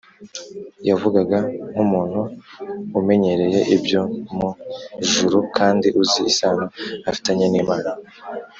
yavugaga nk’umuntu umenyereye ibyo mu juru kandi uzi isano afitanye n’imana,